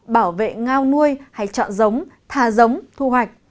bảo vệ ngao nuôi hay chọn giống thả giống thu hoạch